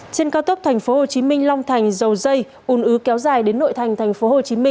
trên cao tốc tp hcm long thành dầu dây ùn ứ kéo dài đến nội thành tp hcm